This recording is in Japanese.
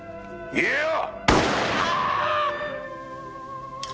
言えよ！